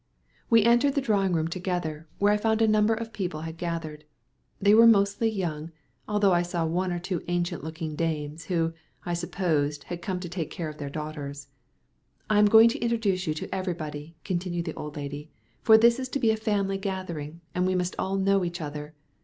We entered the drawing room together, where I found a number of people had gathered. They were mostly young, although I saw one or two ancient looking dames, who, I supposed, had come to take care of their daughters. "I am going to introduce you to everybody," continued the old lady, "for this is to be a family gathering, and we must all know each other.